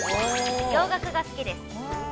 洋楽が好きです。